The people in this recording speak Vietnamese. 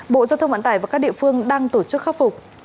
bộ giao thông vận tải và các địa phương đang tổ chức khắc phục